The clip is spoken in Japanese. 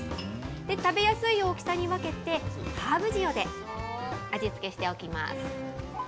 食べやすい大きさに分けて、ハーブ塩で味付けしておきます。